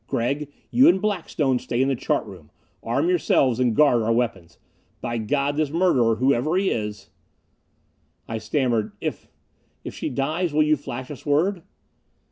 Gregg, you and Blackstone stay in the chart room. Arm yourselves and guard our weapons. By God, this murderer, whoever he is " I stammered, "If if she dies will you flash us word?"